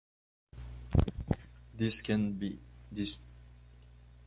This can then be sequenced as described above.